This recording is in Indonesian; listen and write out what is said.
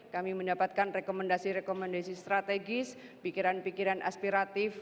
kami mendapatkan rekomendasi rekomendasi strategis pikiran pikiran aspiratif